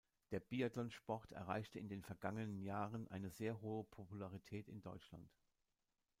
Der Biathlonsport erreichte in den vergangenen Jahren eine sehr hohe Popularität in Deutschland.